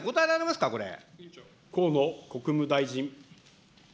河野国務大臣。